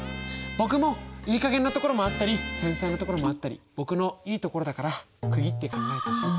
僕もいい加減なところもあったり繊細なところもあったり僕のいいところだから区切って考えてほしい。